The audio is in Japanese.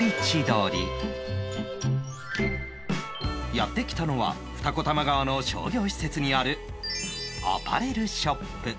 やって来たのは二子玉川の商業施設にあるアパレルショップ